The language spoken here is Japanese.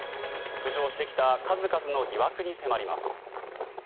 浮上してきた数々の疑惑に迫ります。